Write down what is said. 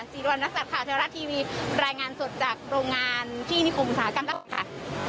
สีรวรรณสัตว์ขาวไทยรัฐทีวีแรงงานสดจากโรงงานที่นิคมอุตสาหกรรมลาดกะบังค่ะ